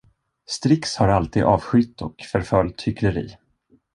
Strix har alltid avskytt och förföljt hyckleri.